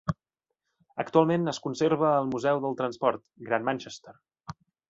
Actualment, es conserva al museu del transport, Gran Manchester.